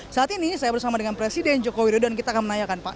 saat ini saya bersama dengan presiden joko widodo dan kita akan menanyakan pak